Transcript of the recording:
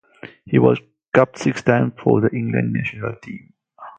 He was capped six times for the England national team.